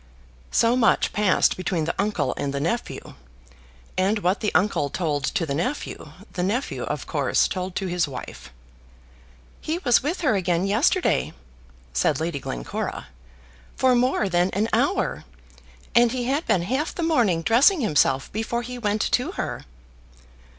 So much passed between the uncle and the nephew, and what the uncle told to the nephew, the nephew of course told to his wife. "He was with her again, yesterday," said Lady Glencora, "for more than an hour. And he had been half the morning dressing himself before he went to her."